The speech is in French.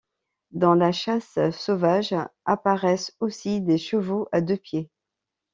Dans la chasse sauvage apparaissent aussi des chevaux à deux pieds.